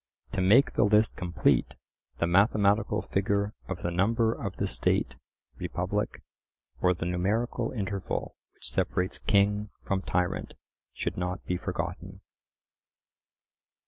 To make the list complete, the mathematical figure of the number of the state (Republic), or the numerical interval which separates king from tyrant, should not be forgotten.